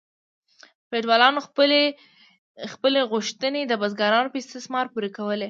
فیوډالانو خپلې غوښتنې د بزګرانو په استثمار پوره کولې.